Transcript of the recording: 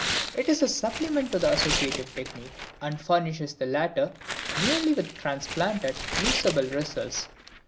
It is a supplement to the associative technique, and furnishes the latter merely with transplanted, usable results.